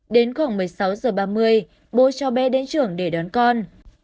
đến khoảng một mươi sáu h ba mươi bố cho bé đến trường để đón con